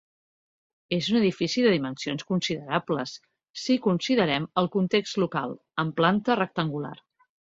És un edifici de dimensions considerables, si considerem el context local, amb planta rectangular.